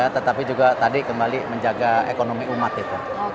tetapi juga tadi kembali menjaga ekonomi umat itu